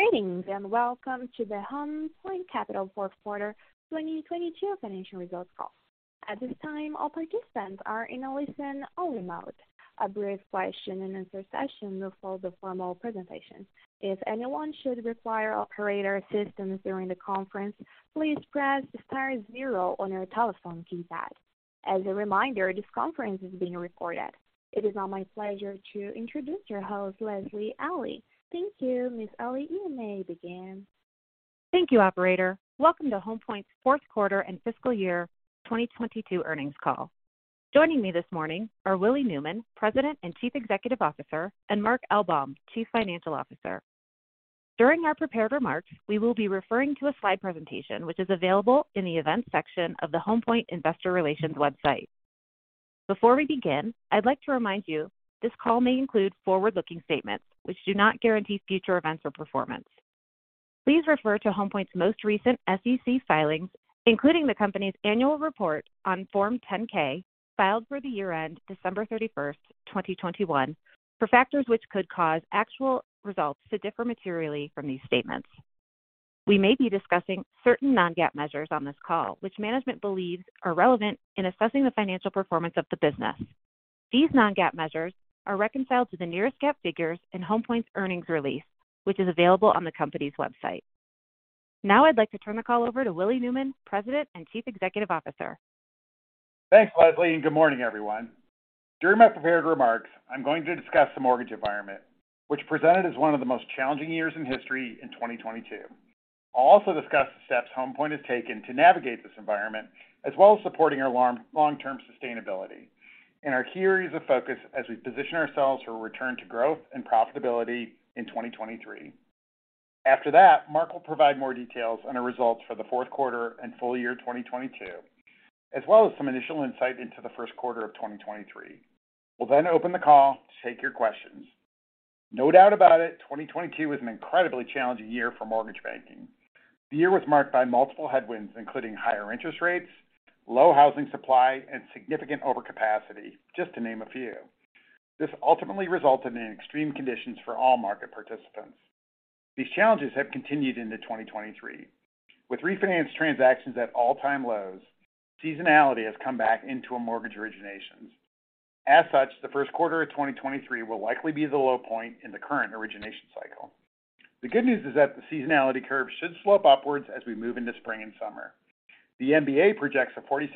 Greetings, welcome to the Home Point Capital Q4 2022 Financial Results Call. At this time, all participants are in a listen-only mode. A brief question-and-answer session will follow the formal presentation. If anyone should require operator assistance during the conference, please press star zero on your telephone keypad. As a reminder, this conference is being recorded. It is now my pleasure to introduce your host, Lesley Alli. Thank you, Ms. Alli. You may begin. Thank you, operator. Welcome to Home Point's Q4 and Fiscal Year 2022 Earnings Call. Joining me this morning are Willie Newman, President and Chief Executive Officer, and Mark Elbaum, Chief Financial Officer. During our prepared remarks, we will be referring to a slide presentation which is available in the events section of the Home Point investor relations website. Before we begin, I'd like to remind you this call may include forward-looking statements which do not guarantee future events or performance. Please refer to Home Point's most recent SEC filings, including the company's annual report on Form 10-K, filed for the year end December 31st, 2021, for factors which could cause actual results to differ materially from these statements. We may be discussing certain non-GAAP measures on this call, which management believes are relevant in assessing the financial performance of the business. These non-GAAP measures are reconciled to the nearest GAAP figures in Home Point's earnings release, which is available on the company's website. Now I'd like to turn the call over to Willie Newman, President and Chief Executive Officer. Thanks, Lesley. Good morning, everyone. During my prepared remarks, I'm going to discuss the mortgage environment, which presented as one of the most challenging years in history in 2022. I'll also discuss the steps Home Point has taken to navigate this environment, as well as supporting our long-term sustainability and our key areas of focus as we position ourselves for return to growth and profitability in 2023. After that, Mark will provide more details on our results for the 4th quarter and full year 2022, as well as some initial insight into the 1st quarter of 2023. We'll then open the call to take your questions. No doubt about it, 2022 was an incredibly challenging year for mortgage banking. The year was marked by multiple headwinds, including higher interest rates, low housing supply, and significant overcapacity, just to name a few. This ultimately resulted in extreme conditions for all market participants. These challenges have continued into 2023. With refinance transactions at all-time lows, seasonality has come back into a mortgage originations. As such, the Q1 of 2023 will likely be the low point in the current origination cycle. The good news is that the seasonality curve should slope upwards as we move into spring and summer. The MBA projects a 46%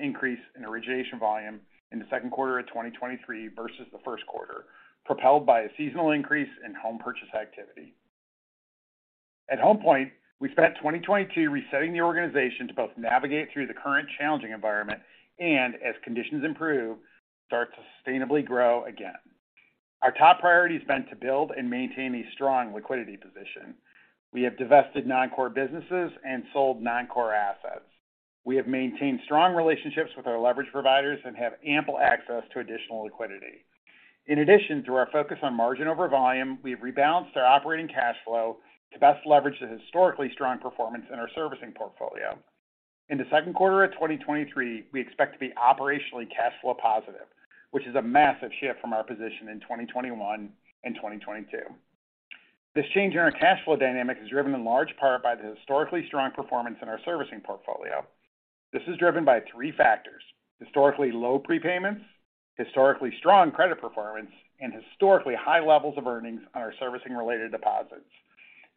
increase in origination volume in the Q2 of 2023 versus the Q1, propelled by a seasonal increase in home purchase activity. At Home Point, we spent 2022 resetting the organization to both navigate through the current challenging environment and, as conditions improve, start to sustainably grow again. Our top priority has been to build and maintain a strong liquidity position. We have divested non-core businesses and sold non-core assets. We have maintained strong relationships with our leverage providers and have ample access to additional liquidity. In addition, through our focus on margin over volume, we've rebalanced our operating cash flow to best leverage the historically strong performance in our servicing portfolio. In the Q2 of 2023, we expect to be operationally cash flow positive, which is a massive shift from our position in 2021 and 2022. This change in our cash flow dynamic is driven in large part by the historically strong performance in our servicing portfolio. This is driven by three factors: historically low prepayments, historically strong credit performance, and historically high levels of earnings on our servicing-related deposits.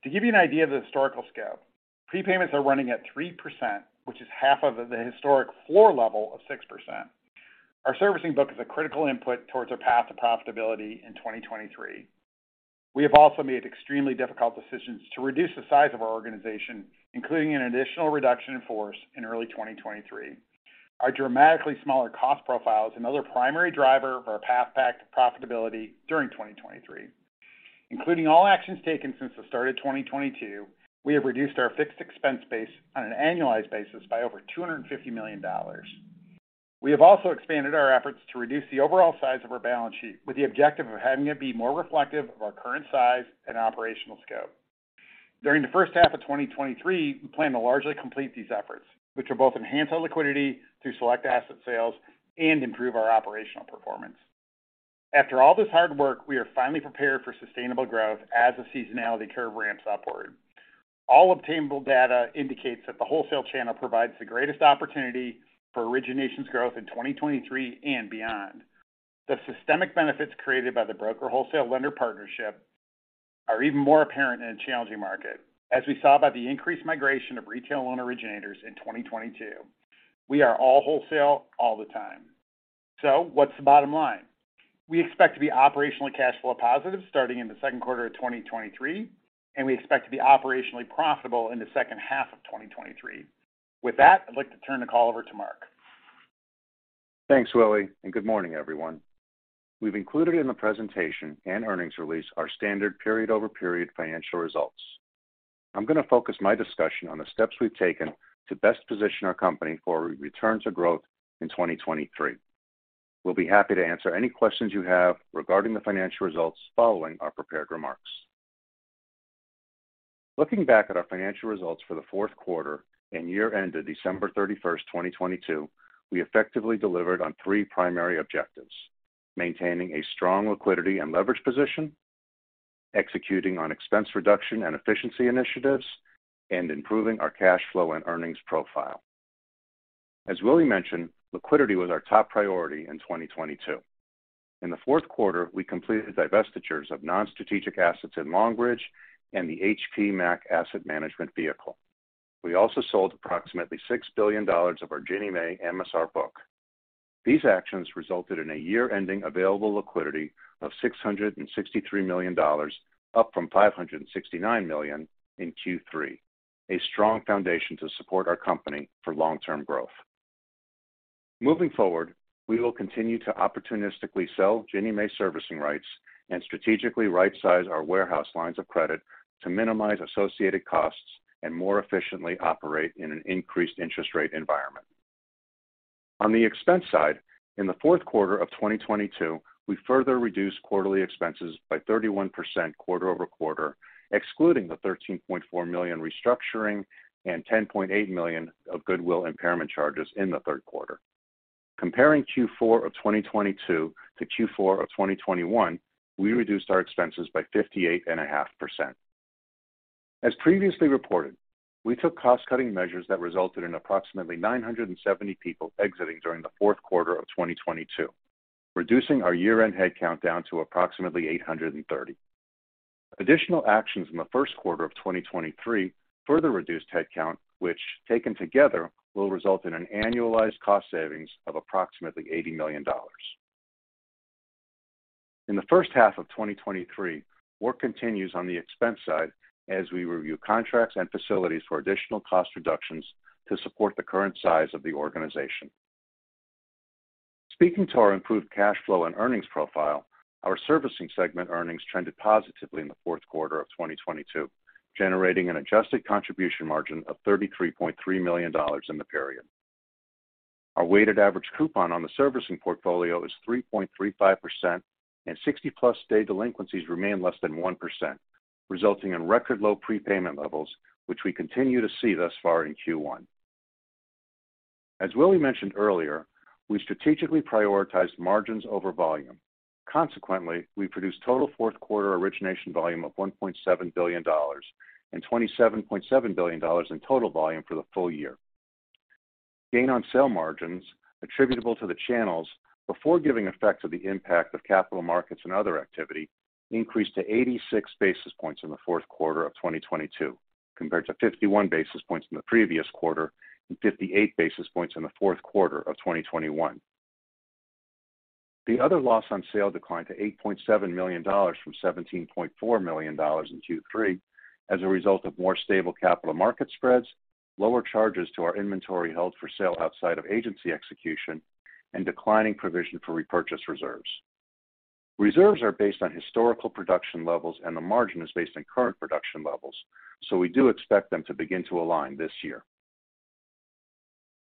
To give you an idea of the historical scale, prepayments are running at 3%, which is half of the historic floor level of 6%. Our servicing book is a critical input towards our path to profitability in 2023. We have also made extremely difficult decisions to reduce the size of our organization, including an additional reduction in force in early 2023. Our dramatically smaller cost profile is another primary driver of our path back to profitability during 2023. Including all actions taken since the start of 2022, we have reduced our fixed expense base on an annualized basis by over $250 million. We have also expanded our efforts to reduce the overall size of our balance sheet with the objective of having it be more reflective of our current size and operational scope. During the first half of 2023, we plan to largely complete these efforts, which will both enhance our liquidity through select asset sales and improve our operational performance. After all this hard work, we are finally prepared for sustainable growth as the seasonality curve ramps upward. All obtainable data indicates that the wholesale channel provides the greatest opportunity for originations growth in 2023 and beyond. The systemic benefits created by the broker wholesale lender partnership are even more apparent in a challenging market, as we saw by the increased migration of retail loan originators in 2022. We are all wholesale all the time. What's the bottom line? We expect to be operationally cash flow positive starting in the Q2 of 2023, and we expect to be operationally profitable in the second half of 2023. With that, I'd like to turn the call over to Mark. Thanks, Willie, and good morning, everyone. We've included in the presentation and earnings release our standard period-over-period financial results. I'm going to focus my discussion on the steps we've taken to best position our company for a return to growth in 2023. We'll be happy to answer any questions you have regarding the financial results following our prepared remarks. Looking back at our financial results for the Q4 and year end to December 31st, 2022, we effectively delivered on three primary objectives. Maintaining a strong liquidity and leverage position, executing on expense reduction and efficiency initiatives, and improving our cash flow and earnings profile. As Willie mentioned, liquidity was our top priority in 2022. In the Q4, we completed divestitures of non-strategic assets in Longbridge and the HPMAC Asset Management vehicle. We also sold approximately $6 billion of our Ginnie Mae MSR book. These actions resulted in a year-ending available liquidity of $663 million, up from $569 million in Q3. A strong foundation to support our company for long-term growth. Moving forward, we will continue to opportunistically sell Ginnie Mae servicing rights and strategically right-size our warehouse lines of credit to minimize associated costs and more efficiently operate in an increased interest rate environment. On the expense side, in the Q4 of 2022, we further reduced quarterly expenses by 31% quarter-over-quarter, excluding the $13.4 million restructuring and $10.8 million of goodwill impairment charges in the Q3. Comparing Q4 of 2022 to Q4 of 2021, we reduced our expenses by 58.5%. As previously reported, we took cost-cutting measures that resulted in approximately 970 people exiting during the Q4 of 2022, reducing our year-end headcount down to approximately 830. Additional actions in the Q1 of 2023 further reduced headcount, which taken together, will result in an annualized cost savings of approximately $80 million. In the first half of 2023, work continues on the expense side as we review contracts and facilities for additional cost reductions to support the current size of the organization. Speaking to our improved cash flow and earnings profile, our servicing segment earnings trended positively in the Q4 of 2022, generating an adjusted contribution margin of $33.3 million in the period. Our weighted average coupon on the servicing portfolio is 3.35%, and 60-plus day delinquencies remain less than 1%, resulting in record low prepayment levels, which we continue to see thus far in Q1. As Willie mentioned earlier, we strategically prioritized margins over volume. Consequently, we produced total Q4 origination volume of $1.7 billion and $27.7 billion in total volume for the full year. gain on sale margins attributable to the channels before giving effect to the impact of capital markets and other activity increased to 86 basis points in the Q4 of 2022, compared to 51 basis points in the previous quarter and 58 basis points in the Q4 of 2021. The other loss on sale declined to $8.7 million from $17.4 million in Q3 as a result of more stable capital market spreads, lower charges to our inventory held for sale outside of agency execution, and declining provision for repurchase reserves. Reserves are based on historical production levels, and the margin is based on current production levels. We do expect them to begin to align this year.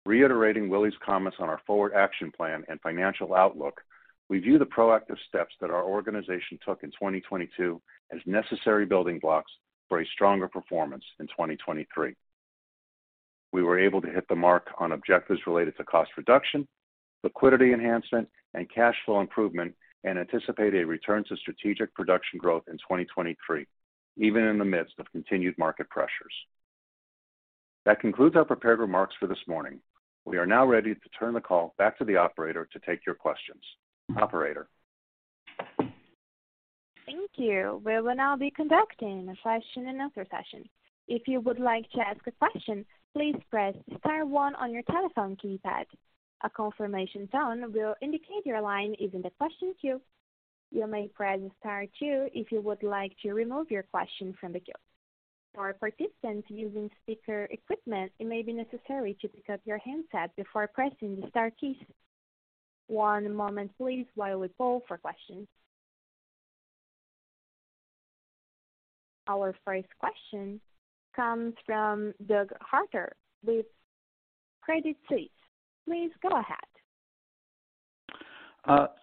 Reiterating Willie's comments on our forward action plan and financial outlook, we view the proactive steps that our organization took in 2022 as necessary building blocks for a stronger performance in 2023. We were able to hit the mark on objectives related to cost reduction, liquidity enhancement, and cash flow improvement, and anticipate a return to strategic production growth in 2023, even in the midst of continued market pressures. That concludes our prepared remarks for this morning. We are now ready to turn the call back to the operator to take your questions. Operator. Thank you. We will now be conducting a question and answer session. If you would like to ask a question, please press star one on your telephone keypad. A confirmation tone will indicate your line is in the question queue. You may press star two if you would like to remove your question from the queue. For participants using speaker equipment, it may be necessary to pick up your handset before pressing the star keys. One moment please while we poll for questions. Our first question comes from Doug Harter with Credit Suisse. Please go ahead.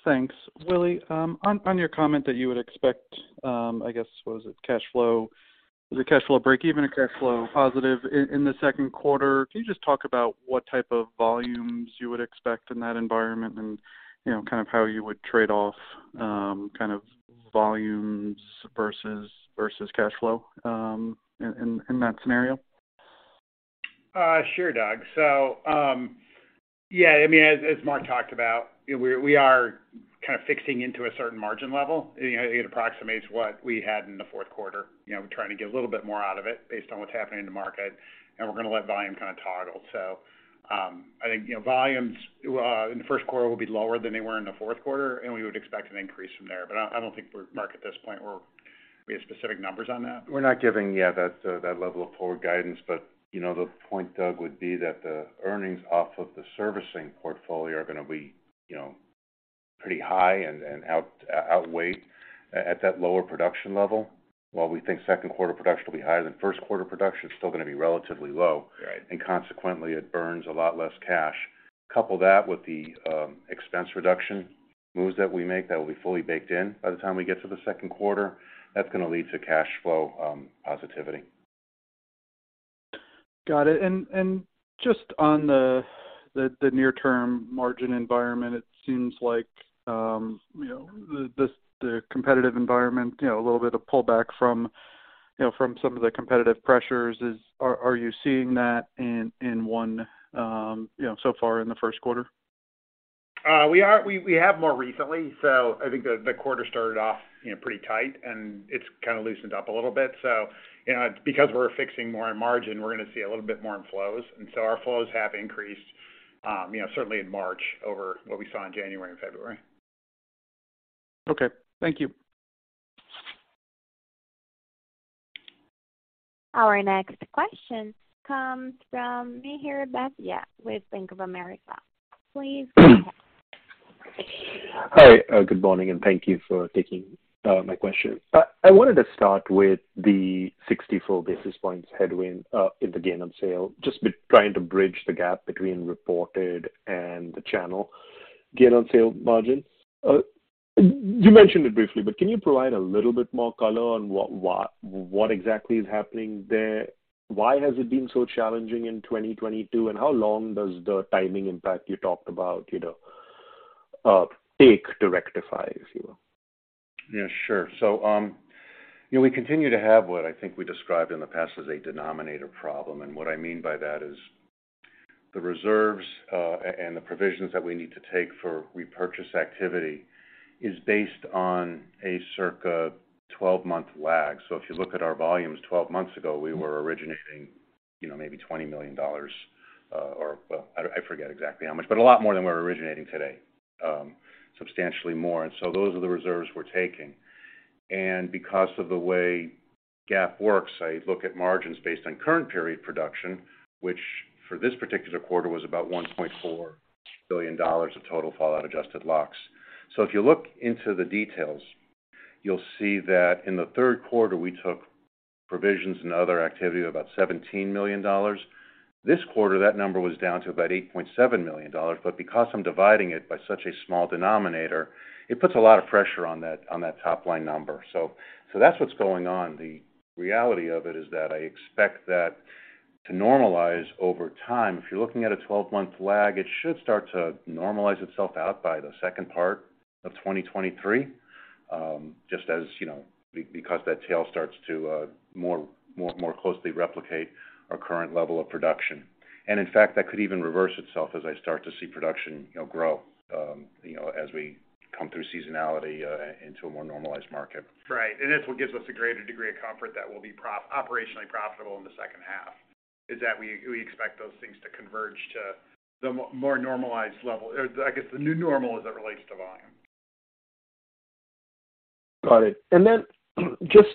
Thanks. Willie, on your comment that you would expect, I guess, what was it, the cash flow breakeven and cash flow positive in the Q2, can you just talk about what type of volumes you would expect in that environment and, you know, kind of how you would trade off, kind of volumes versus cash flow in that scenario? Sure, Doug. Yeah, I mean, as Mark talked about, we are kind of fixing into a certain margin level. You know, it approximates what we had in the Q4. You know, we're trying to get a little bit more out of it based on what's happening in the market, and we're going to let volume kind of toggle. I think, you know, volumes in the Q1 will be lower than they were in the Q4, and we would expect an increase from there. I don't think we're Mark, at this point we have specific numbers on that. We're not giving yet that level of forward guidance. You know, the point, Doug, would be that the earnings off of the servicing portfolio are gonna be, you know, pretty high and outweigh at that lower production level. While we think Q2 production will be higher than Q1 production, it's still gonna be relatively low. Right. Consequently, it earns a lot less cash. Couple that with the expense reduction moves that we make that will be fully baked in by the time we get to the Q2, that's gonna lead to cash flow positivity. Got it. Just on the near term margin environment, it seems like, you know, the competitive environment, you know, a little bit of pullback from, you know, from some of the competitive pressures. Are you seeing that in one, you know, so far in the Q1? We have more recently. I think the quarter started off, you know, pretty tight, and it's kind of loosened up a little bit. You know, because we're fixing more on margin, we're gonna see a little bit more in flows. Our flows have increased, you know, certainly in March over what we saw in January and February. Okay. Thank you. Our next question comes from Mihir Bhatia with Bank of America. Please go ahead. Hi. Good morning, and thank you for taking my question. I wanted to start with the 64 basis points headwind in the gain on sale. Just trying to bridge the gap between reported and the channel gain on sale margins. You mentioned it briefly, but can you provide a little bit more color on what exactly is happening there? Why has it been so challenging in 2022? How long does the timing impact you talked about, you know, take to rectify, if you will? Sure. You know, we continue to have what I think we described in the past as a denominator problem. What I mean by that is the reserves and the provisions that we need to take for repurchase activity is based on a circa 12-month lag. If you look at our volumes 12 months ago, we were originating, you know, maybe $20 million, or, well, I forget exactly how much, but a lot more than we're originating today. Substantially more. Those are the reserves we're taking. Because of the way GAAP works, I look at margins based on current period production, which for this particular quarter was about $1.4 billion of total fallout adjusted locks. If you look into the details, you'll see that in the Q3, we took provisions and other activity of about $17 million. This quarter, that number was down to about $8.7 million. Because I'm dividing it by such a small denominator, it puts a lot of pressure on that top-line number. That's what's going on. The reality of it is that I expect that to normalize over time. If you're looking at a 12-month lag, it should start to normalize itself out by the second part of 2023, just as, you know, because that tail starts to more closely replicate our current level of production. In fact, that could even reverse itself as I start to see production, you know, grow, you know, as we come through seasonality, into a more normalized market. Right. That's what gives us a greater degree of comfort that we'll be operationally profitable in the second half, is that we expect those things to converge to the more normalized level or, I guess, the new normal as it relates to volume. Got it. Then just,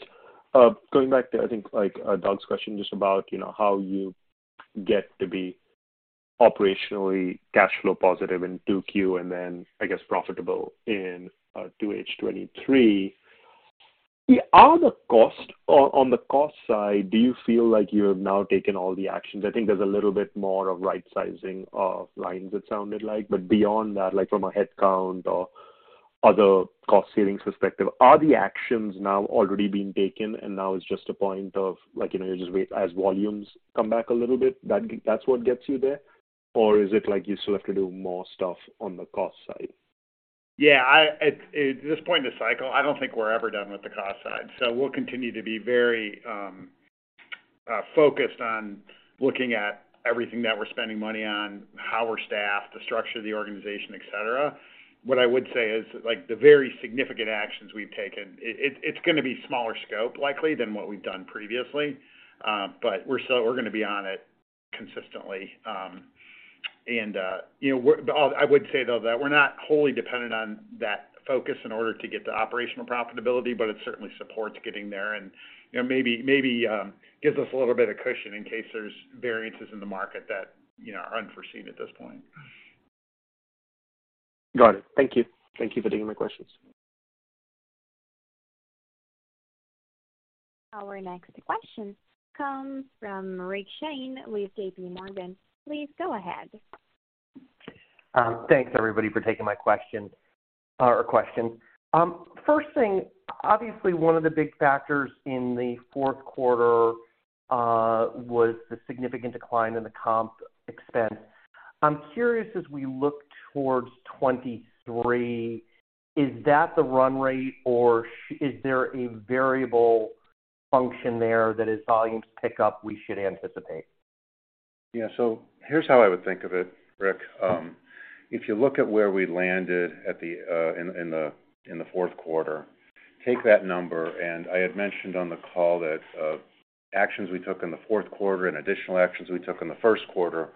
going back to, I think, like, Doug's question just about, you know, how you get to be operationally cash flow positive in two Q, and then I guess profitable in 2H 2023. On the cost side, do you feel like you have now taken all the actions? I think there's a little bit more of right sizing of lines, it sounded like. Beyond that, like from a headcount or other cost savings perspective, are the actions now already been taken and now it's just a point of like, you know, you just wait as volumes come back a little bit that's what gets you there? Or is it like you still have to do more stuff on the cost side? Yeah. At this point in the cycle, I don't think we're ever done with the cost side. We'll continue to be very focused on looking at everything that we're spending money on, how we're staffed, the structure of the organization, et cetera. What I would say is, like, the very significant actions we've taken, it's gonna be smaller scope likely than what we've done previously. We're still gonna be on it consistently. You know, I would say, though, that we're not wholly dependent on that focus in order to get to operational profitability, it certainly supports getting there and, you know, maybe gives us a little bit of cushion in case there's variances in the market that, you know, are unforeseen at this point. Got it. Thank you. Thank you for taking my questions. Our next question comes from Rick Shane with JPMorgan. Please go ahead. Thanks everybody for taking my question or questions. First thing, obviously one of the big factors in the Q4 was the significant decline in the comp expense. I'm curious as we look towards 2023, is that the run rate, or is there a variable function there that as volumes pick up, we should anticipate? Yeah. Here's how I would think of it, Rick. If you look at where we landed at the Q4, take that number, and I had mentioned on the call that actions we took in the Q4 and additional actions we took in the Q1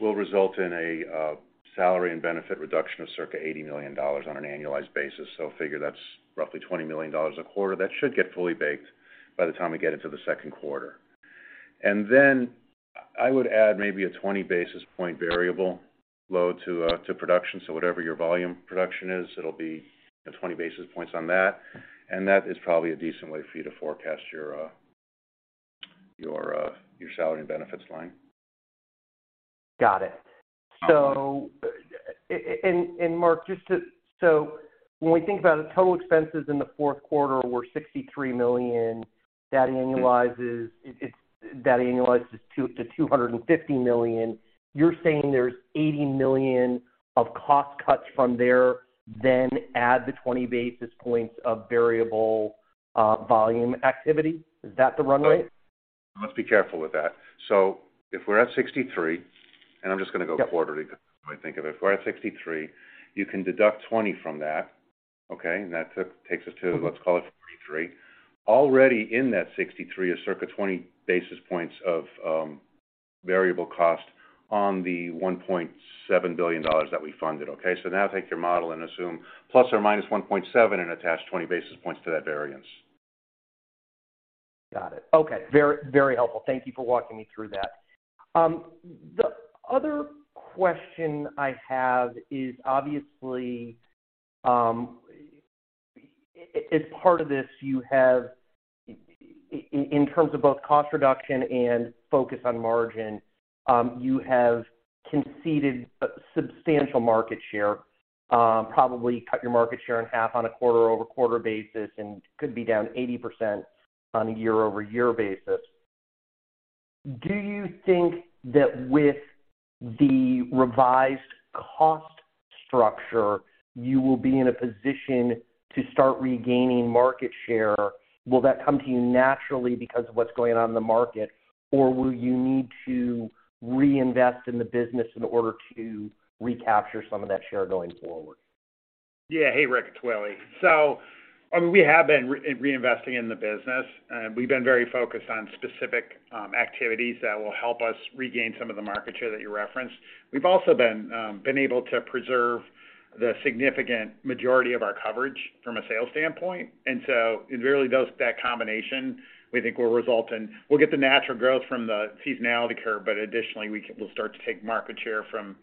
will result in a salary and benefit reduction of circa $80 million on an annualized basis. Figure that's roughly $20 million a quarter. That should get fully baked by the time we get into the Q2. I would add maybe a 20 basis point variable load to production. Whatever your volume production is, it'll be 20 basis points on that. That is probably a decent way for you to forecast your salary and benefits line. Got it. Mark, when we think about it, total expenses in the Q4 were $63 million. That annualizes, that annualizes to $250 million. You're saying there's $80 million of cost cuts from there, then add the 20 basis points of variable volume activity. Is that the run rate? Let's be careful with that. If we're at 63, and I'm just gonna go quarterly because that's the way I think of it. If we're at 63, you can deduct 20 from that. Okay? That takes us to, let's call it 43. Already in that 63 is circa 20 basis points of variable cost on the $1.7 billion that we funded. Okay? Now take your model and assume ±1.7 and attach 20 basis points to that variance. Got it. Okay. Very, very helpful. Thank you for walking me through that. The other question I have is obviously, as part of this, you have in terms of both cost reduction and focus on margin, you have conceded a substantial market share, probably cut your market share in half on a quarter-over-quarter basis and could be down 80% on a year-over-year basis. Do you think that with the revised cost structure, you will be in a position to start regaining market share? Will that come to you naturally because of what's going on in the market? Or will you need to reinvest in the business in order to recapture some of that share going forward? Yeah. Hey, Rick, it's Willie. I mean, we have been reinvesting in the business. We've been very focused on specific activities that will help us regain some of the market share that you referenced. We've also been able to preserve the significant majority of our coverage from a sales standpoint. That combination, we think will result in we'll get the natural growth from the seasonality curve, but additionally, we'll start to take market share from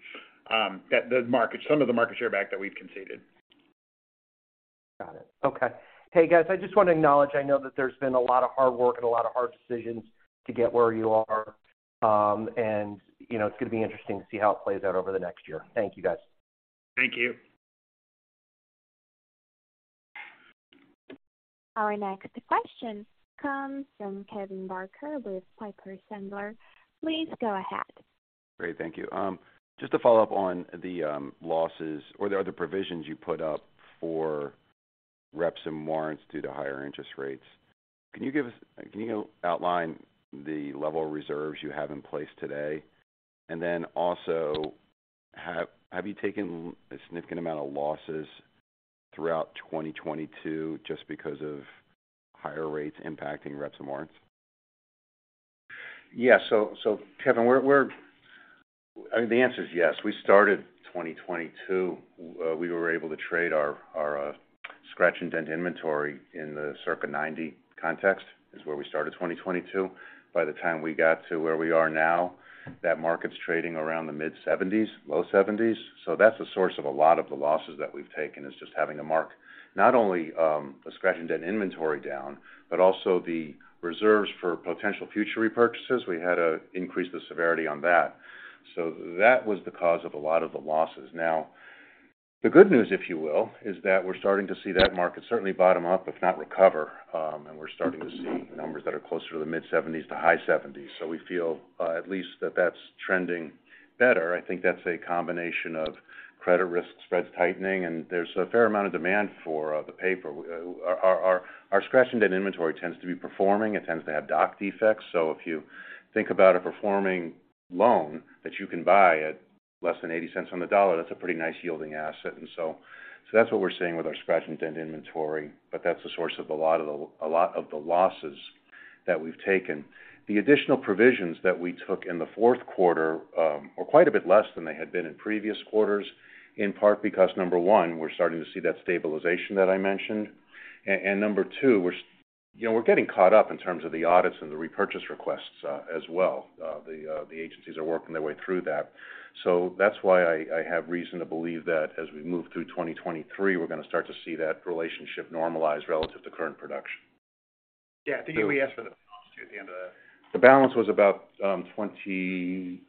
some of the market share back that we've conceded. Got it. Okay. Hey, guys, I just want to acknowledge, I know that there's been a lot of hard work and a lot of hard decisions to get where you are. You know, it's going to be interesting to see how it plays out over the next year. Thank you, guys. Thank you. Our next question comes from Kevin Barker with Piper Sandler. Please go ahead. Great. Thank you. Just to follow up on the losses or the other provisions you put up for reps and warranties due to higher interest rates, can you outline the level of reserves you have in place today? Also, have you taken a significant amount of losses throughout 2022 just because of higher rates impacting reps and warranties? Yeah. Kevin, we're, I mean, the answer is yes. We started 2022, well, we were able to trade our scratch and dent inventory in the circa 90 context, is where we started 2022. By the time we got to where we are now, that market's trading around the mid-70s, low 70s. That's the source of a lot of the losses that we've taken, is just having to mark not only the scratch and dent inventory down, but also the reserves for potential future repurchases. We had to increase the severity on that. That was the cause of a lot of the losses. Now, the good news, if you will, is that we're starting to see that market certainly bottom up, if not recover. We're starting to see numbers that are closer to the mid-70s to high 70s. We feel, at least that that's trending better. I think that's a combination of credit risk spreads tightening, and there's a fair amount of demand for, the paper. Well, our scratch and dent inventory tends to be performing. It tends to have doc defects. So if you think about a performing loan that you can buy at less than $0.80 on the dollar, that's a pretty nice yielding asset. That's what we're seeing with our scratch and dent inventory, but that's the source of a lot of the losses that we've taken. The additional provisions that we took in the Q4 are quite a bit less than they had been in previous quarters, in part because, number one, we're starting to see that stabilization that I mentioned. Number two, we're you know, we're getting caught up in terms of the audits and the repurchase requests as well. The agencies are working their way through that. That's why I have reason to believe that as we move through 2023, we're gonna start to see that relationship normalize relative to current production. Yeah. I think we asked for the at the end of that. The balance was about $26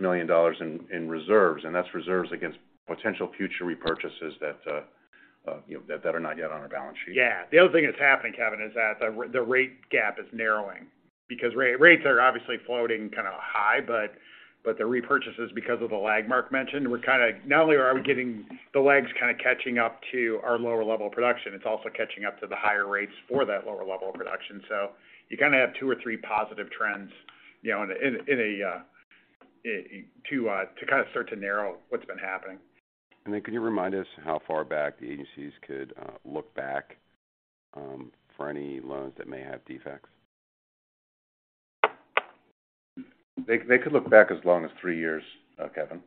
million in reserves, and that's reserves against potential future repurchases that, you know, are not yet on our balance sheet. Yeah. The other thing that's happening, Kevin, is that the rate gap is narrowing because rates are obviously floating kind of high, but the repurchases because of the lag Mark mentioned, we're kinda not only are we getting the lags kinda catching up to our lower level production, it's also catching up to the higher rates for that lower level production. You kinda have 2 or 3 positive trends, you know, in a to kind of start to narrow what's been happening. Could you remind us how far back the agencies could look back for any loans that may have defects? They could look back as long as three years, Kevin.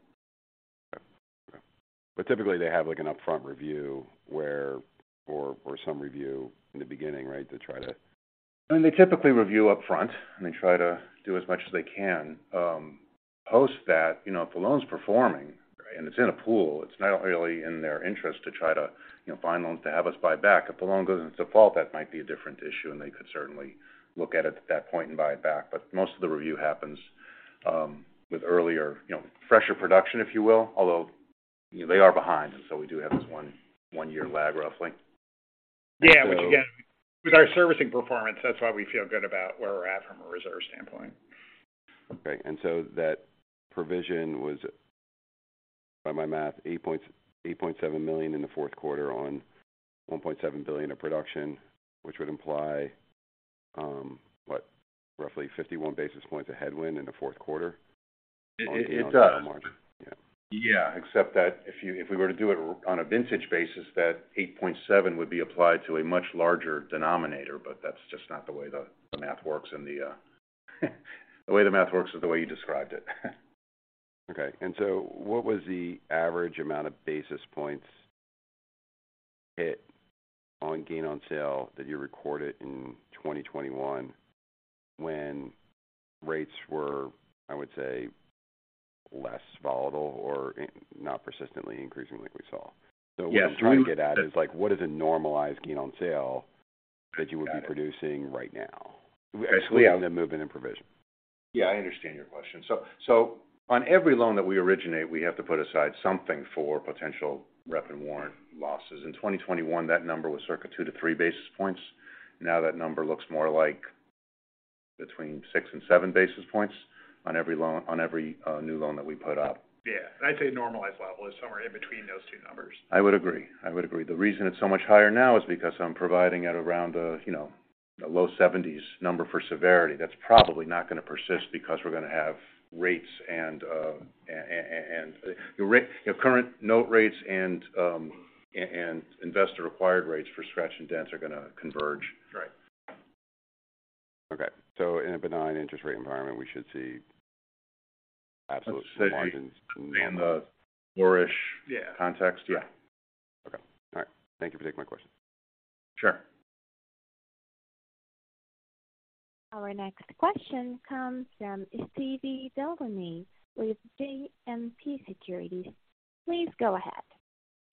Okay. Typically they have, like, an upfront review where or some review in the beginning, right? To try to... I mean, they typically review upfront, and they try to do as much as they can. Post that, you know, if the loan's performing It's in a pool. It's not really in their interest to try to, you know, find loans to have us buy back. If the loan goes into default, that might be a different issue, and they could certainly look at it at that point and buy it back. Most of the review happens with earlier, you know, fresher production, if you will. Although, you know, they are behind, we do have this one-year lag, roughly. Yeah. Which again, with our servicing performance, that's why we feel good about where we're at from a reserve standpoint. Okay. That provision was, by my math, $8.7 million in the Q4 on $1.7 billion of production, which would imply, what? Roughly 51 basis points of headwind in the Q4. It does. on gain on sale margin. Yeah. Yeah. Except that if we were to do it on a vintage basis, that 8.7 would be applied to a much larger denominator, but that's just not the way the math works. The way the math works is the way you described it. Okay. What was the average amount of basis points hit on gain on sale that you recorded in 2021 when rates were, I would say, less volatile or not persistently increasing like we saw? Yeah. What I'm trying to get at is like what is a normalized gain on sale that you would be producing right now excluding the movement in provision? Yeah, I understand your question. On every loan that we originate, we have to put aside something for potential rep and warrant losses. In 2021, that number was circa two to three basis points. Now that number looks more like between six and seven basis points on every new loan that we put up. Yeah. I'd say a normalized level is somewhere in between those two numbers. I would agree. I would agree. The reason it's so much higher now is because I'm providing at around a, you know, a low seventies number for severity. That's probably not gonna persist because we're gonna have rates and, you know, current note rates and investor required rates for scratch and dents are gonna converge. Right. Okay. In a benign interest rate environment, we should see absolute margins. In the lower-ish Yeah. Context. Yeah. Okay. All right. Thank you for taking my question. Sure. Our next question comes from Steve DeLaney with JMP Securities. Please go ahead.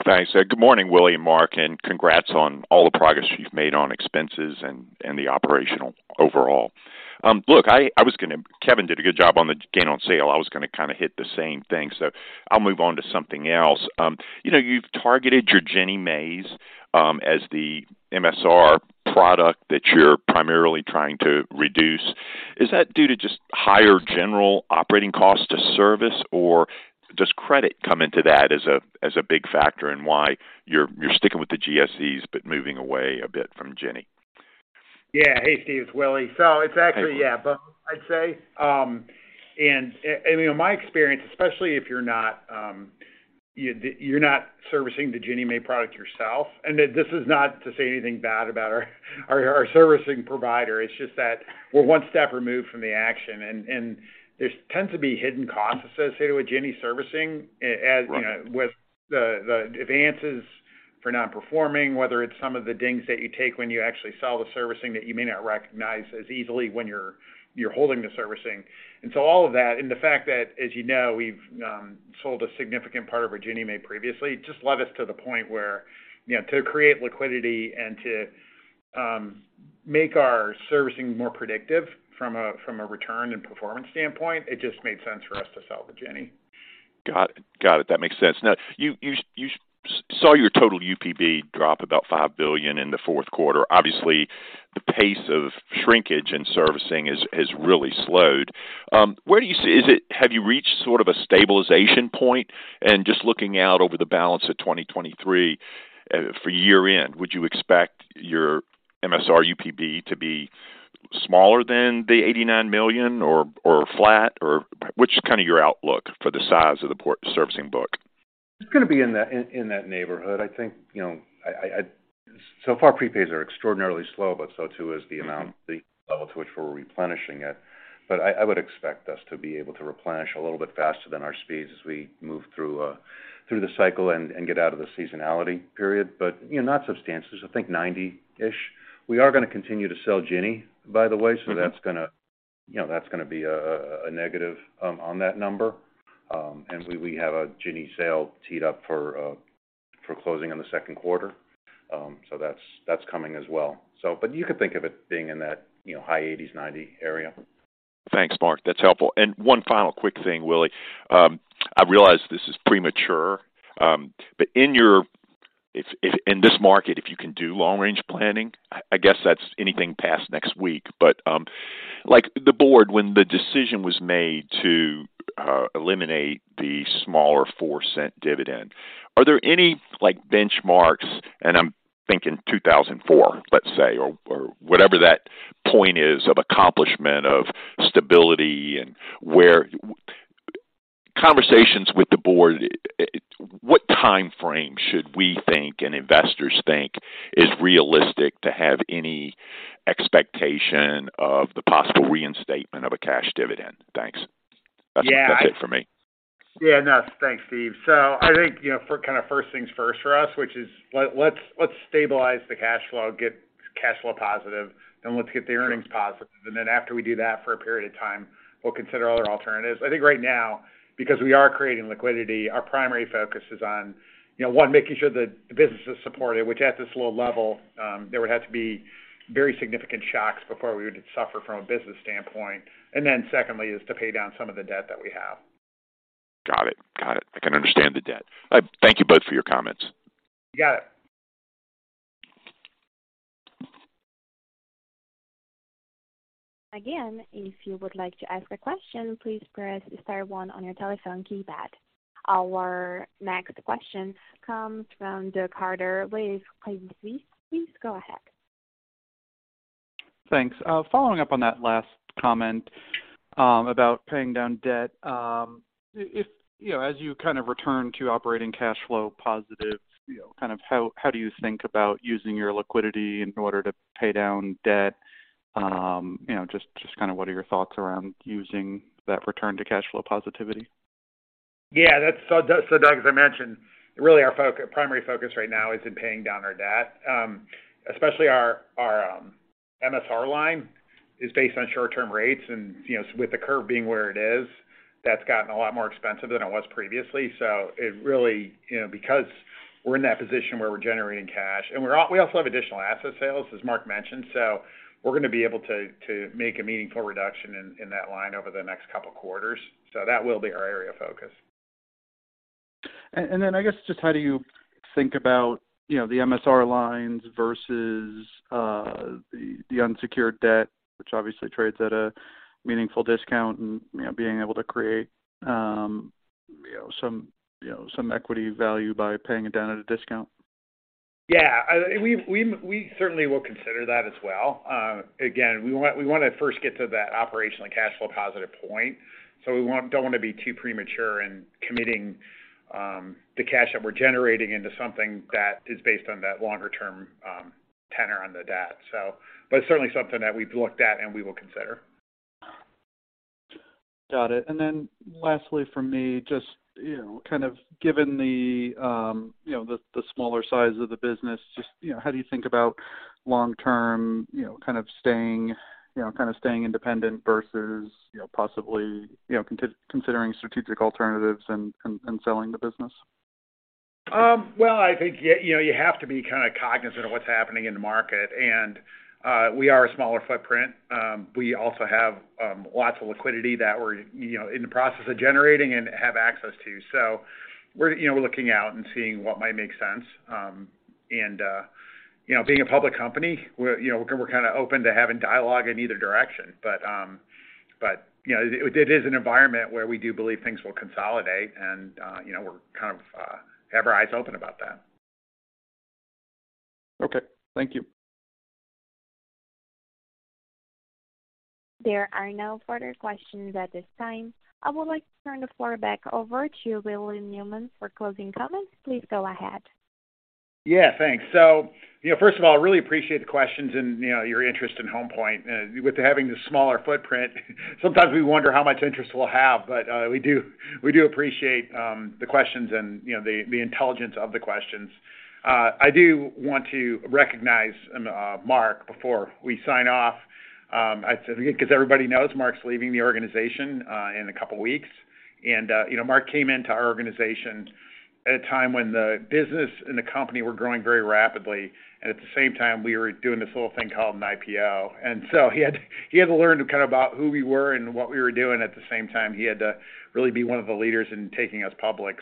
Thanks. Good morning, Willie and Mark, congrats on all the progress you've made on expenses and the operational overall. Look, Kevin did a good job on the gain on sale. I was gonna kinda hit the same thing. I'll move on to something else. You know, you've targeted your Ginnie Maes as the MSR product that you're primarily trying to reduce. Is that due to just higher general operating costs to service, or does credit come into that as a big factor in why you're sticking with the GSEs but moving away a bit from Ginnie Mae? Yeah. Hey, Steve, it's Willie. It's actually, yeah, both, I'd say. You know, my experience, especially if you're not, you know, you're not servicing the Ginnie Mae product yourself. This is not to say anything bad about our servicing provider. It's just that we're one step removed from the action, and there tends to be hidden costs associated with Ginnie servicing as, you know, with the advances for non-performing, whether it's some of the dings that you take when you actually sell the servicing that you may not recognize as easily when you're holding the servicing. All of that and the fact that, as you know, we've sold a significant part of our Ginnie Mae previously, just led us to the point where, you know, to create liquidity and to make our servicing more predictive from a, from a return and performance standpoint, it just made sense for us to sell the Ginnie. Got it. That makes sense. Now, you saw your total UPB drop about $5 billion in the Q4. Obviously, the pace of shrinkage in servicing has really slowed. Where do you see, have you reached sort of a stabilization point? And just looking out over the balance of 2023, for year-end, would you expect your MSR UPB to be smaller than the $89 million or flat? Or what's kind of your outlook for the size of the servicing book? It's gonna be in that neighborhood. I think, you know, So far prepays are extraordinarily slow, but so too is the amount, the level to which we're replenishing it. I would expect us to be able to replenish a little bit faster than our speeds as we move through the cycle and get out of the seasonality period. You know, not substantial. I think 90-ish. We are gonna continue to sell Ginnie, by the way, so that's gonna, you know, that's gonna be a negative on that number. We have a Ginnie sale teed up for closing in the Q2. That's coming as well, so. You could think of it being in that, you know, high 80s, 90 area. Thanks, Mark. That's helpful. One final quick thing, Willie. I realize this is premature, if in this market, if you can do long-range planning, I guess that's anything past next week. Like the board, when the decision was made to eliminate the smaller $0.04 dividend, are there any, like, benchmarks, and I'm thinking 2004, let's say, or whatever that point is of accomplishment of stability and where... Conversations with the board, what timeframe should we think and investors think is realistic to have any expectation of the possible reinstatement of a cash dividend? Thanks. Yeah. That's it for me. No. Thanks, Steve. I think, you know, for kind of first things first for us, which is let's stabilize the cash flow, get cash flow positive, then let's get the earnings positive. After we do that for a period of time, we'll consider other alternatives. I think right now, because we are creating liquidity, our primary focus is on, you know, one, making sure the business is supported, which at this low level, there would have to be very significant shocks before we would suffer from a business standpoint. Secondly is to pay down some of the debt that we have. Got it. Got it. I can understand the debt. Thank you both for your comments. You got it. Again, if you would like to ask a question, please press star one on your telephone keypad. Our next question comes from Doug Harter with Credit Suisse. Please go ahead. Thanks. Following up on that last comment about paying down debt, if, you know, as you kind of return to operating cash flow positive, you know, kind of how do you think about using your liquidity in order to pay down debt? You know, just kind of what are your thoughts around using that return to cash flow positivity? Yeah, that's. Doug, as I mentioned, really our primary focus right now is in paying down our debt. Especially our MSR line is based on short-term rates and, you know, with the curve being where it is, that's gotten a lot more expensive than it was previously. It really, you know, because we're in that position where we're generating cash. We also have additional asset sales, as Mark mentioned. We're gonna be able to make a meaningful reduction in that line over the next couple quarters. That will be our area of focus. Then I guess just how do you think about, you know, the MSR lines versus the unsecured debt, which obviously trades at a meaningful discount and, you know, being able to create, you know, some equity value by paying it down at a discount? Yeah. We certainly will consider that as well. Again, we want, we wanna first get to that operational cash flow positive point. We don't wanna be too premature in committing the cash that we're generating into something that is based on that longer term tenor on the debt. But it's certainly something that we've looked at and we will consider. Got it. Lastly from me, just, you know, kind of given the, you know, the smaller size of the business, just, you know, how do you think about long-term, you know, kind of staying independent versus, you know, possibly, you know, considering strategic alternatives and selling the business? Well, I think, yeah, you know, you have to be kinda cognizant of what's happening in the market. We are a smaller footprint. We also have lots of liquidity that we're, you know, in the process of generating and have access to. We're, you know, we're looking out and seeing what might make sense. You know, being a public company, we're, you know, we're kinda open to having dialogue in either direction. You know, it is an environment where we do believe things will consolidate and, you know, we're kind of have our eyes open about that. Okay. Thank you. There are no further questions at this time. I would like to turn the floor back over to William Newman for closing comments. Please go ahead. Yeah, thanks. You know, first of all, I really appreciate the questions and, you know, your interest in Homepoint. With having the smaller footprint, sometimes we wonder how much interest we'll have. We do appreciate the questions and, you know, the intelligence of the questions. I do want to recognize Mark, before we sign off, because everybody knows Mark's leaving the organization in a couple of weeks. You know, Mark came into our organization at a time when the business and the company were growing very rapidly, and at the same time, we were doing this little thing called an IPO. He had to learn kind of about who we were and what we were doing. At the same time, he had to really be one of the leaders in taking us public.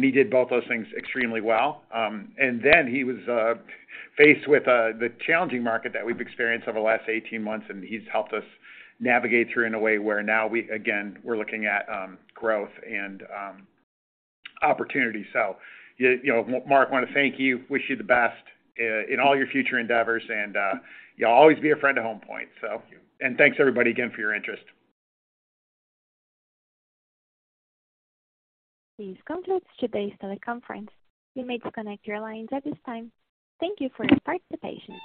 He did both those things extremely well. He was faced with the challenging market that we've experienced over the last 18 months, and he's helped us navigate through in a way where now we again, we're looking at growth and opportunity. You know, Mark, wanna thank you. Wish you the best in all your future endeavors, and you'll always be a friend of Homepoint. Thank you. Thanks everybody again for your interest. This concludes today's teleconference. You may disconnect your lines at this time. Thank you for your participation.